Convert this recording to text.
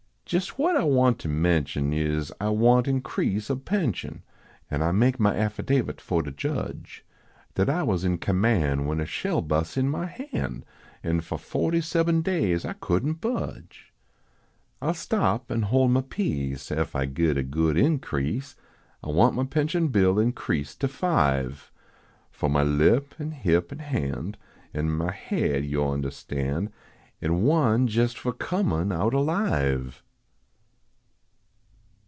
162 in: Jais what I want ter mension Is, I want increase oh pension, An I make inah affidavit fo de judge Dat I was in conmian When a shell bust in inah hand, An fo fohty seben days I couldn t budge. I ll stop, en hoi inah peace, Ef I get a good increase ; I want mah pension bill increased to five ; Foh inah lip, en hip, an hand, En mah haid, yo unde stan , An one jes fo comin out alive.